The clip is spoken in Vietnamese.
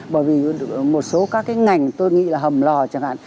bởi vì một số các cái ngành tôi nghĩ là hầm lò chẳng hạn